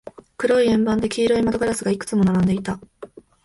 黒い円盤で、黄色い窓ガラスがいくつも並んでいた。